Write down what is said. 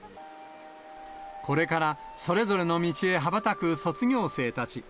これからそれぞれの道へ羽ばたく卒業生たち。